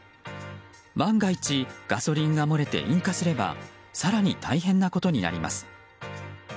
万が一、ガソリンが漏れて引火すれば更に大変なことになります。